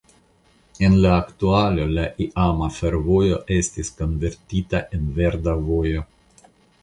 En la aktualo la iama fervojo estis konvertita en Verda vojo.